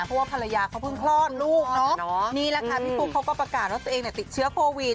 เพราะว่าภรรยาเขาเพิ่งคลอดลูกเนอะนี่แหละค่ะพี่ฟุ๊กเขาก็ประกาศว่าตัวเองเนี่ยติดเชื้อโควิด